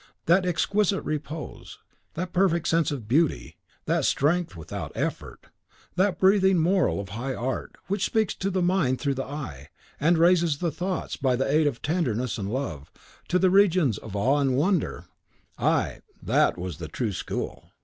That exquisite repose, that perfect sense of beauty, that strength without effort, that breathing moral of high art, which speaks to the mind through the eye, and raises the thoughts, by the aid of tenderness and love, to the regions of awe and wonder, ay! THAT was the true school.